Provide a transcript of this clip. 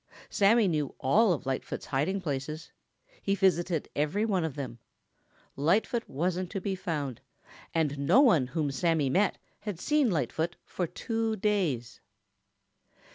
Sammy knew all of Lightfoot's hiding places. He visited every one of them. Lightfoot wasn't to be found, and no one whom Sammy met had seen Lightfoot for two days.